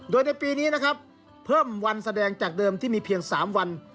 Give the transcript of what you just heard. โดยในปีนี้นะครับเพิ่มวันแสดงจากเดิมที่มีเพียง๓วัน